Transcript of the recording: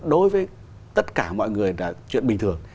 đối với tất cả mọi người là chuyện bình thường